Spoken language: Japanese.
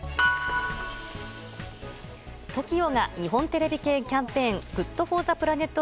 ＴＯＫＩＯが日本テレビ系キャンペーンＧｏｏｄＦｏｒｔｈｅＰｌａｎｅｔ